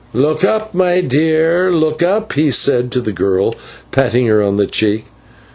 "Look up, my dear, look up," he said to the girl, patting her on the cheek.